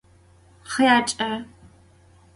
Xhyarç'e!